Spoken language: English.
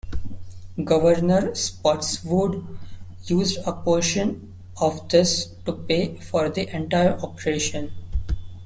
Governor Spotswood used a portion of this to pay for the entire operation.